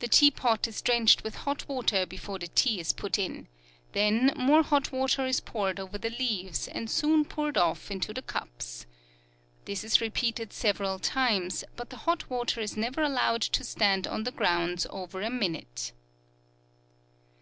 The tea pot is drenched with hot water before the tea is put in; then more hot water is poured over the leaves, and soon poured off into the cups. This is repeated several times, but the hot water is never allowed to stand on the grounds over a minute.